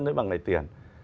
với bằng ngày tiền